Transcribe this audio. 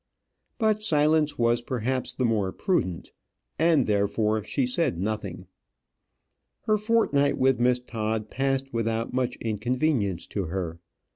But silence was perhaps the more prudent, and, therefore, she said nothing. Her fortnight with Miss Todd passed without much inconvenience to her.